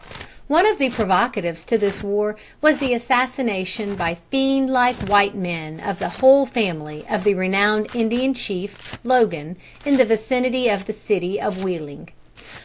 One of the provocatives to this war was the assassination by fiendlike white men of the whole family of the renowned Indian chief, Logan, in the vicinity of the city of Wheeling.